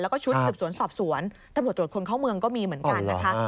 แล้วก็ชุดสืบสวนสอบสวนตำรวจตรวจคนเข้าเมืองก็มีเหมือนกันนะคะ